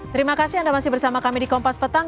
terima kasih anda masih bersama kami di kompas petang